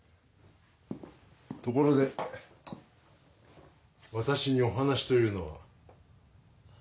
ところで私にお話というのは。